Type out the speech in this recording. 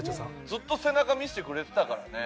ずっと背中見せてくれてたからね。